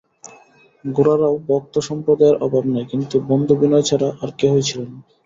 গোরারও ভক্তসম্প্রদায়ের অভাব নাই, কিন্তু বন্ধু বিনয় ছাড়া আর কেহই ছিল না।